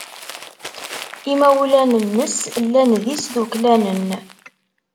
Imawlan-nnes llan d isduklanen.